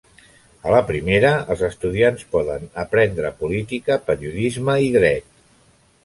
A la primera, els estudiants poden aprendre Política, Periodisme i Dret.